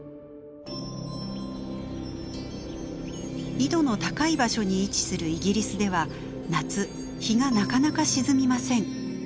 緯度の高い場所に位置するイギリスでは夏日がなかなか沈みません。